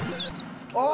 あ！